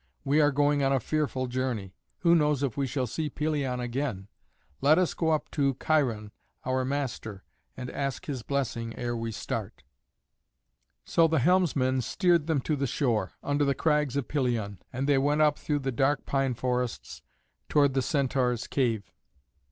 We are going on a fearful journey. Who knows if we shall see Pelion again? Let us go up to Cheiron our master, and ask his blessing ere we start." So the helmsman steered them to the shore, under the crags of Pelion, and they went up through the dark pine forests toward the Centaur's cave.